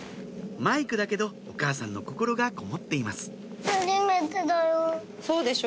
マイクだけどお母さんの心がこもっていますそうでしょ